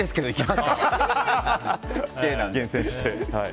厳選して。